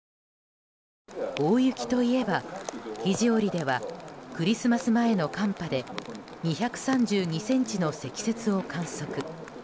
大雪といえば肘折ではクリスマス前の寒波で２３２ｃｍの積雪を観測。